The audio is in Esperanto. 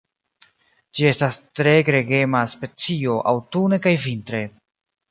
Ĝi estas tre gregema specio aŭtune kaj vintre.